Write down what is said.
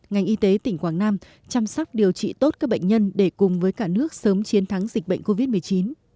ngành y tế tỉnh quảng nam chăm sóc điều trị tốt các bệnh nhân để cùng với cả nước sớm chiến thắng dịch bệnh covid một mươi chín